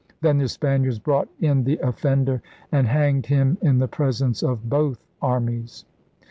Then the Spaniards brought in the offender and hanged him in the presence of both armies.